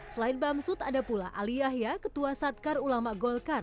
selain bamsud ada pula ali yahya ketua satkar ulama golkar